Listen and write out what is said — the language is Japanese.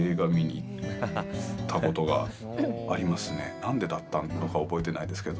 なんでだったのか覚えてないですけど。